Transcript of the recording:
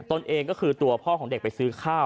ตนเองก็คือตัวพ่อของเด็กไปซื้อข้าว